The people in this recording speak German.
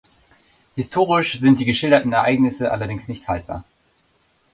Historisch sind die geschilderten Ereignisse allerdings nicht haltbar.